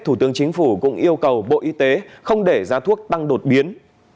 thủ tướng chính phủ cũng yêu cầu bộ y tế không để giá thuốc tăng đột biến